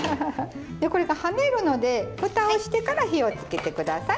これが跳ねるので蓋をしてから火をつけて下さい。